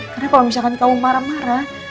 karena kalau misalkan kamu marah marah